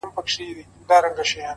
فکر روښانه وي، ژوند روښانه وي,